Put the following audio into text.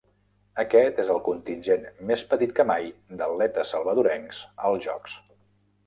Aquest és el contingent més petit que mai d'atletes salvadorencs als jocs.